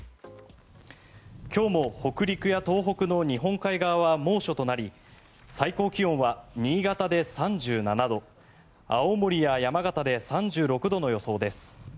今日も北陸や東北の日本海側は猛暑となり最高気温は新潟で３７度青森や山形で３６度の予想です。